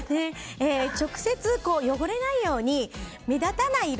直接汚れないように目立たない色。